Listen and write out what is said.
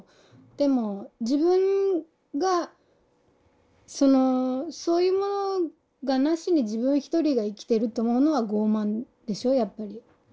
でも自分がそのそういうものがなしに自分一人が生きてると思うのは傲慢でしょやっぱり。